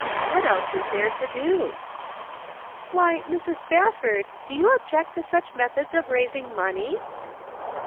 What else is there to do?" "Why, Mrs. Spafford, do you object to such methods of raising money?"